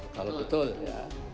kalau betul ya